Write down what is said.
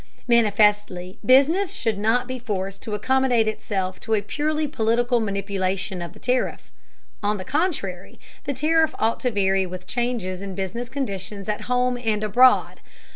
Manifestly, business should not be forced to accommodate itself to a purely political manipulation of the tariff; on the contrary, the tariff ought to vary with changes in business conditions at home and abroad.